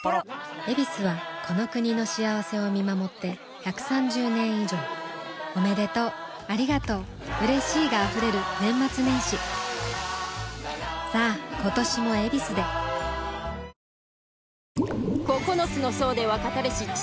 「ヱビス」はこの国の幸せを見守って１３０年以上おめでとうありがとううれしいが溢れる年末年始さあ今年も「ヱビス」でうん。